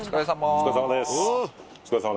お疲れさまです